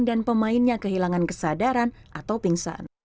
dan pemainnya kehilangan kesadaran atau pingsan